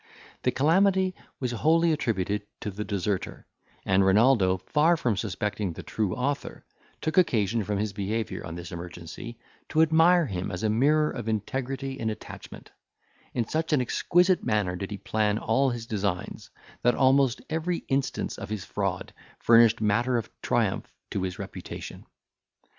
The calamity was wholly attributed to the deserter; and Renaldo, far from suspecting the true author, took occasion, from his behaviour on this emergency, to admire him as a mirror of integrity and attachment; in such an exquisite manner did he plan all his designs, that almost every instance of his fraud furnished matter of triumph to his reputation.